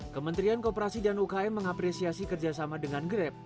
kementrian koperasi dan ukm mengapresiasi kerjasama dengan grab